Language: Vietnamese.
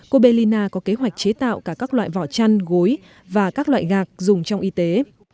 cô bolina có kế hoạch chế tạo cả các loại vỏ chăn gối và các loại gạc dùng trong y tế